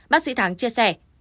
bác sĩ thắng chia sẻ